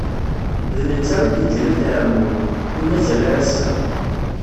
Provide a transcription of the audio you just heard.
D netta i d-iǧǧan At Ɛamun, i mazal ar ass-a.